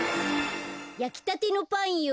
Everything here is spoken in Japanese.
やきたてのパンよ。